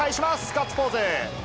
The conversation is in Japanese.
ガッツポーズ。